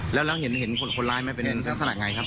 แล้วเห็นคนร้ายมั้ยเป็นนลักษณะยังไงครับ